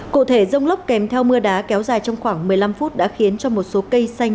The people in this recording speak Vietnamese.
cụ thể rông lốc kèm theo mưa đá kéo dài trong khoảng một mươi năm phút đã khiến cho một số cây xanh